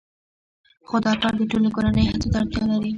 خو دا کار د ټولې کورنۍ هڅو ته اړتیا لري